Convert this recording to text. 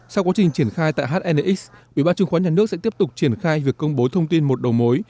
sau quá trình triển khai tại hnx ubnd sẽ tiếp tục triển khai việc công bố thông tin một đầu mối